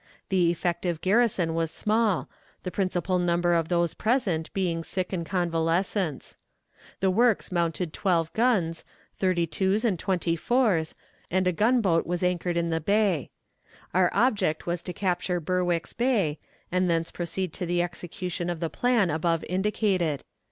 The effective garrison was small, the principal number of those present being sick and convalescents. The works mounted twelve guns, thirty twos and twenty fours, and a gunboat was anchored in the bay. Our object was to capture Berwick's Bay, and thence proceed to the execution of the plan above indicated.